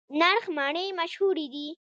نرخ مڼې مشهورې دي؟